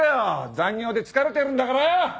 残業で疲れてるんだからよ！